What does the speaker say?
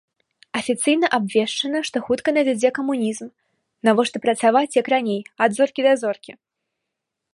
Афіцыйна абвешчана, што хутка надыдзе камунізм, навошта працаваць як раней ад зоркі да зоркі.